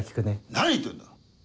何言ってんだ！